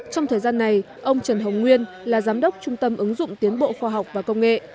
trong thời gian này ông trần hồng nguyên là giám đốc trung tâm ứng dụng tiến bộ khoa học và công nghệ